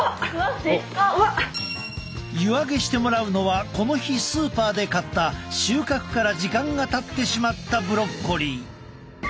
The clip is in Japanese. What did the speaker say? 湯揚げしてもらうのはこの日スーパーで買った収穫から時間がたってしまったブロッコリー。